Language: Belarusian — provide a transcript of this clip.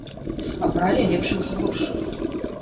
Абралі лепшых з горшых.